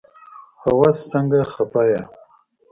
هوس سنګه خفه يي